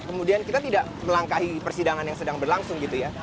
kemudian kita tidak melangkahi persidangan yang sedang berlangsung gitu ya